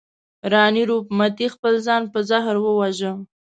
راني روپ متي خپل ځان په زهر وواژه.